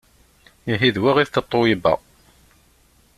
Ihi d wa i d Tatoeba.